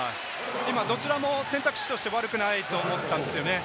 今どちらも選択肢として悪くないと思ったんですよね。